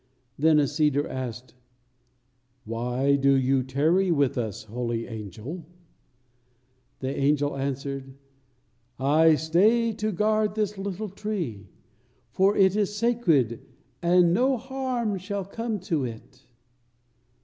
Then a cedar asked: "Why do you tarry with us, holy angel?" And the angel answered: "I stay to guard this little tree, for it is sacred, and no harm shall come to it."